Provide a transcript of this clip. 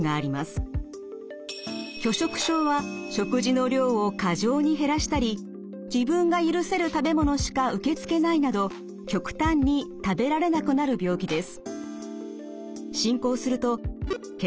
拒食症は食事の量を過剰に減らしたり自分が許せる食べ物しか受け付けないなど極端に食べられなくなる病気です。